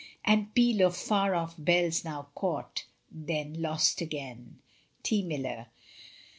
And peal of far off bells now caught, then lost again. T. Miller.